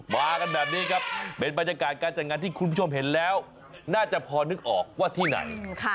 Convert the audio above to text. มากันแบบนี้ครับเป็นบรรยากาศการจัดงานที่คุณผู้ชมเห็นแล้วน่าจะพอนึกออกว่าที่ไหน